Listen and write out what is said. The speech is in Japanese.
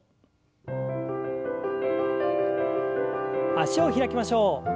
脚を開きましょう。